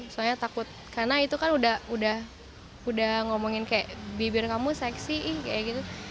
soalnya takut karena itu kan udah ngomongin kayak bibir kamu seksi ih kayak gitu